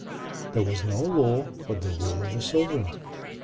There was no law but the will of the sovereign.